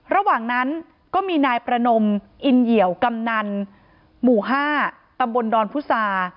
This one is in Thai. ระหว่างนั้นก็มีนายประนมอินเหี่ยวกำนันหมู่๕ตำบลดอนพุษา